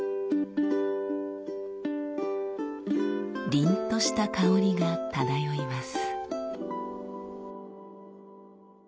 りんとした香りが漂います。